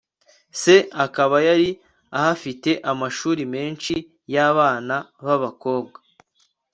se akaba yari ahafite amashuri menshi y'abana b'abakobwa